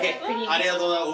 ありがとうございます。